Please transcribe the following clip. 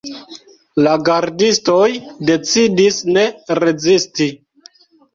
La gardistoj decidis ne rezisti.